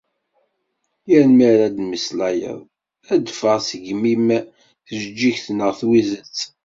Yal mi ara d-temmeslayeḍ ad d-teﬀeɣ seg yimi-m tjeğğigt neɣ twizet.